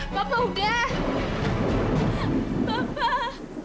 pak pak udah